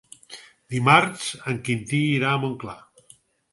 Dimarts en Quintí irà a Montclar.